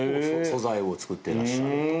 素材を作っていらっしゃると。